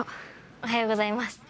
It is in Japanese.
おはようございます。